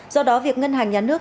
do đó việc ngân hàng nhà nước